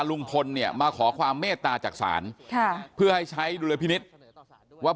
ลุงพลเนี่ยมาขอความเมตตาจากศาลค่ะเพื่อให้ใช้ดุลพินิษฐ์ว่า